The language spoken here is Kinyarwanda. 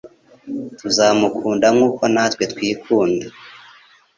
Tuzamukunda nk'uko natwe twikunda.